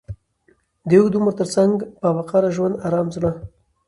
د اوږد عمر تر څنګ، با وقاره ژوند، ارام زړه،